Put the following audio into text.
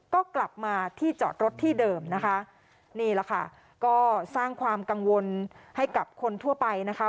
ก็กลับมาที่จอดรถที่เดิมนะคะนี่แหละค่ะก็สร้างความกังวลให้กับคนทั่วไปนะคะ